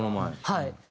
はい。